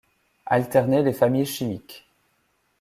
Alterner les familles chimiques.